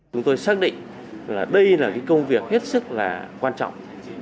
chúng tôi xác định là đây là công việc hết sức là quan trọng